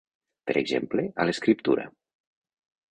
Per exemple, a l'escriptura.